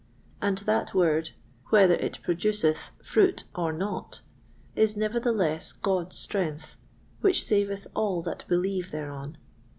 And that Word, whether it produceth fruit or not, is nevertheless God's strength, which saveth all that believe thereon.